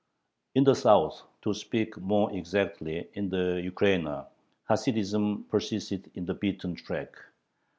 In the South to speak more exactly, in the Ukraina Hasidism persisted in the beaten track.